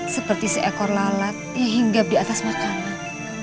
seperti seekor lalat yang hinggap di atas makanan